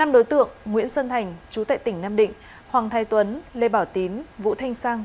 năm đối tượng nguyễn sơn thành chú tại tỉnh nam định hoàng thái tuấn lê bảo tín vũ thanh sang